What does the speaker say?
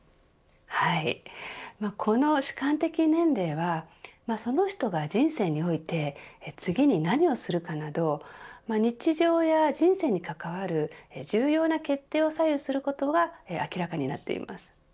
はい、この主観的年齢はその人が人生において次に何をするかなど日常や人生に関わる重要な決定を左右することが明らかになっています。